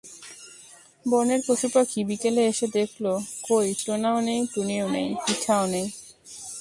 বনের পশুপাখি বিকেলে এসে দেখল—কই, টোনাও নেই, টুনিও নেই, পিঠাও নেই।